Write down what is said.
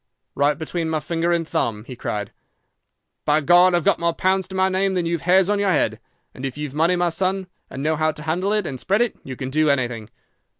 "'"Right between my finger and thumb," he cried. "By God! I've got more pounds to my name than you've hairs on your head. And if you've money, my son, and know how to handle it and spread it, you can do _anything!